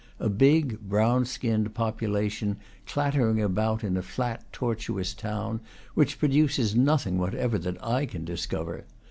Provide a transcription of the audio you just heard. A big, brown skinned population, clattering about in a flat, tortuous town, which produces nothing whatever that I can discover.